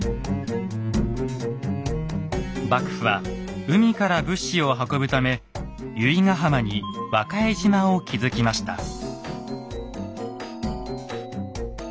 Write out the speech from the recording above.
幕府は海から物資を運ぶため由比ガ浜に和賀江島を築きました。